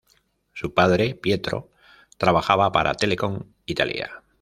Su padre, Pietro, trabajaba para Telecom Italia.